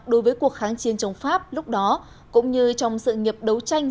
đối với cuộc kháng chiến chống pháp lúc đó cũng như trong sự nghiệp đấu tranh